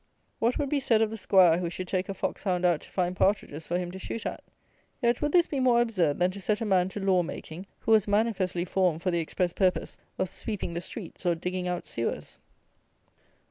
What would be said of the 'Squire who should take a fox hound out to find partridges for him to shoot at? Yet, would this be more absurd than to set a man to law making who was manifestly formed for the express purpose of sweeping the streets or digging out sewers?